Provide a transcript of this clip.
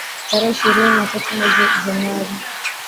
tarehe ishirini na tatu mwezi Januari